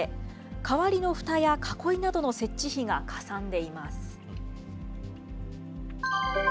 代わりのふたや囲いなどの設置費がかさんでいます。